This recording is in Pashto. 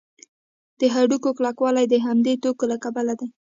د هډوکو کلکوالی د همدې توکو له کبله دی.